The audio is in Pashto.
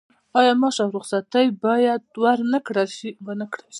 آیا معاش او رخصتي باید ورنکړل شي؟